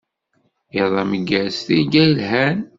Iḍ ameggaz, tirga yelhan.